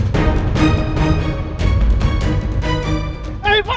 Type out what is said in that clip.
tak ada apa apa pak